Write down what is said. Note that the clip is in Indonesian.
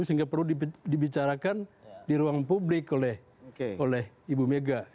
sehingga perlu dibicarakan di ruang publik oleh ibu mega